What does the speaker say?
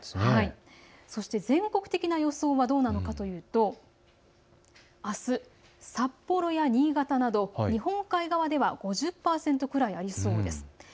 全国的な予想はどうなのかというとあす札幌や新潟など日本海側では５０％ぐらいとなりそうです。